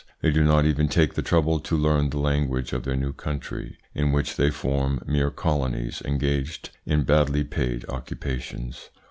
They do not even take the trouble to learn the language of their new country, in which they form mere colonies engaged in badly paid occupations.